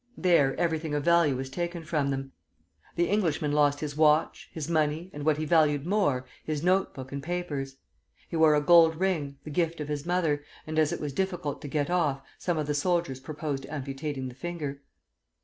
There everything of value was taken from them. The Englishman lost his watch, his money, and what he valued more, his note book and papers. He wore a gold ring, the gift of his mother; and as it was difficult to get off, some of the soldiers proposed amputating the finger.